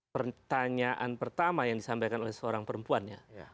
pertanyaan pertama yang disampaikan oleh seorang perempuannya